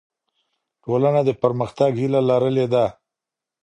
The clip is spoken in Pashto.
ټولنه د پرمختګ هیله لرلې ده.